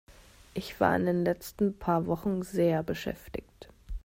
Ich war in den letzten paar Wochen sehr beschäftigt.